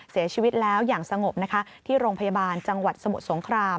เสียชีวิตแล้วอย่างสงบนะคะที่โรงพยาบาลจังหวัดสมุทรสงคราม